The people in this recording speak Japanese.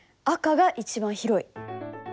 赤が一番広い。